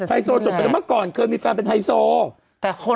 โซจบไปแล้วเมื่อก่อนเคยมีแฟนเป็นไฮโซ